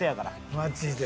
マジで。